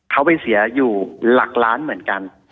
เขาไปเสียอยู่หลักล้านเหมือนกัน